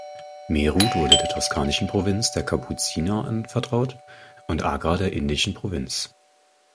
Meerut wurde der toskanischen Provinz der Kapuziner anvertraut und Agra der indischen Provinz.